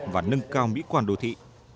và nâng cao mỹ quan đồ thị